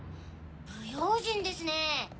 不用心ですねぇ。